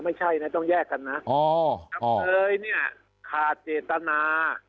ไม่ใช่นะต้องแยกกันนะอำเนยเนี่ยขาดเจตนา